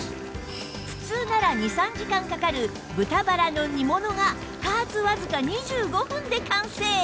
普通なら２３時間かかる豚バラの煮物が加圧わずか２５分で完成！